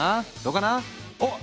おっ！